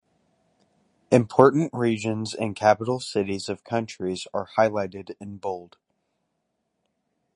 Important regions and capital cities of countries are highlighted in bold.